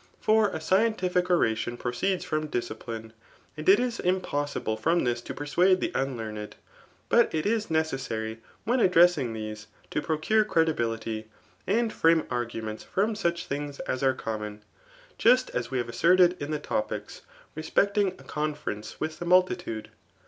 For. a scientific oration proceeds from discipline, and it is impossible from this [to persuade the unlearned,] but it is necessary [yimn addressing these,] to procure credibility, and fiMie arguments from such things as are common ; just atrwe have as^rted in' the Topics, respecting a confer eaoe with the multitude.